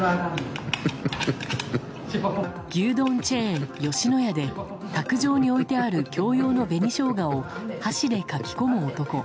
牛丼チェーン吉野家で卓上に置いてある共用の紅ショウガを箸でかき込む男。